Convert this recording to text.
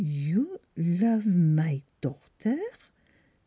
" You lo ove my daughter!